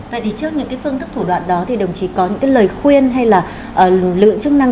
vậy thì trước những cái phương thức thủ đoạn đó thì đồng chí có những cái lời khuyên hay là lực lượng chức năng